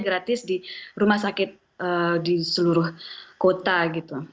gratis di rumah sakit di seluruh kota gitu